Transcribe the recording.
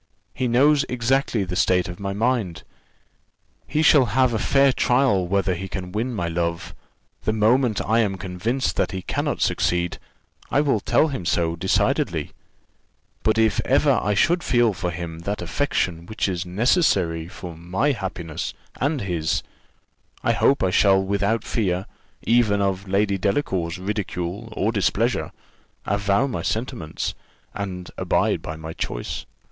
He knows exactly the state of my mind. He shall have a fair trial whether he can win my love; the moment I am convinced that he cannot succeed, I will tell him so decidedly: but if ever I should feel for him that affection which is necessary for my happiness and his, I hope I shall without fear, even of Lady Delacour's ridicule or displeasure, avow my sentiments, and abide by my choice."